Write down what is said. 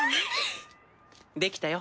できたよ。